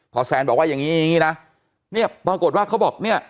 พอแซนบอกว่าอย่างนี้อย่างงี้นะเนี่ยปรากฏว่าเขาบอกเนี่ย